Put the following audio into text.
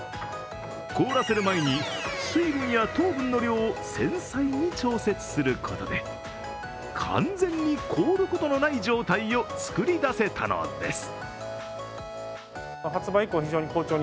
凍らせる前に水分や糖分の量を繊細に調節することで、完全に凍ることのない状態を作り出せたのです。